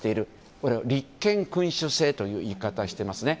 これを立憲君主制という言い方をしていますね。